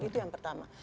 itu yang pertama